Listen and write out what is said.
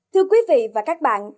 thưa quý vị và các bạn